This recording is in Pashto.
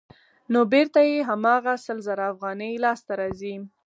نو بېرته یې هماغه سل زره افغانۍ لاسته راځي